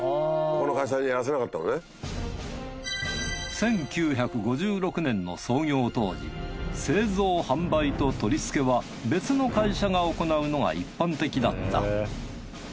１９５６年の創業当時製造・販売と取り付けは別の会社が行うのが一般的だった。